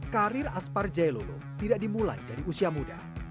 karir aspar jailulo tidak dimulai dari usia muda